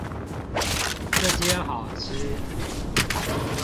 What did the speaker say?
這間好吃